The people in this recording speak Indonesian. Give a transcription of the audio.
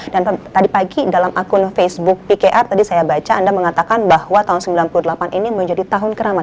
dan tadi pagi dalam akun facebook pkr tadi saya baca anda mengatakan bahwa tahun sembilan puluh delapan ini menjadi tahun keramat